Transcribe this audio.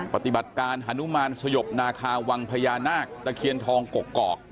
ปฏิบัติการฮานุมานสยบนาคาวังพญานาคตะเคียนทองกกอก